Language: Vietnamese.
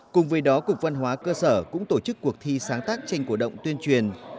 cùng với đó cục văn hóa cơ sở cũng tổ chức cuộc thi sáng tác tranh cổ động tuyên truyền